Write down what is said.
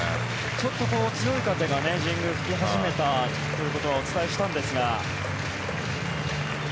ちょっと強い風が神宮、吹き始めたということはお伝えしたんですが。